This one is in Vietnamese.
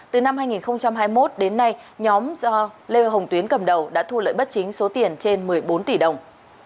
từ năm hai nghìn hai mươi một đến nay nhóm do lê hồng tuyến cầm đầu đã thu lợi bất chính số tiền trên một mươi bốn tỷ đồng